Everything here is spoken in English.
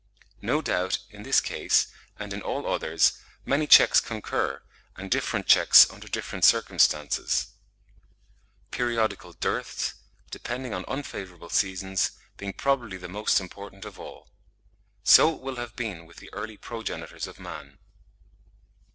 No doubt, in this case, and in all others, many checks concur, and different checks under different circumstances; periodical dearths, depending on unfavourable seasons, being probably the most important of all. So it will have been with the early progenitors of man.